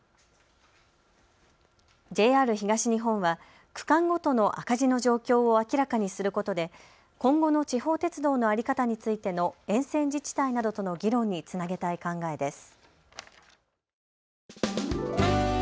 ＪＲ東日本は区間ごとの赤字の状況を明らかにすることで今後の地方鉄道の在り方についての沿線自治体などとの議論につなげたい考えです。